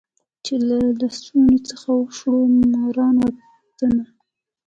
چي له لستوڼي څخه وشړو ماران وطنه